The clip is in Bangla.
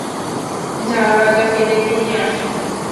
যাও রাজাকে ডেকে নিয়ে আসো।